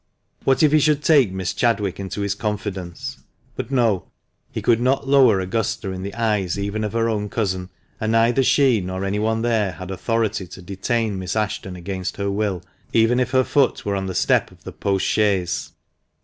What if he should take Miss Chadwick into his confidence? But no, he could not lower Augusta in the eyes even of her own cousin ; and neither she nor anyone there had authority to detain Miss Ashton against her will even if her foot were on the step of the post chaise.